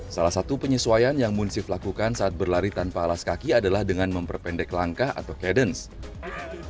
salah satu penyesuaian yang munsif lakukan saat berlari tanpa alas kaki adalah dengan memperpendek langkah atau cadence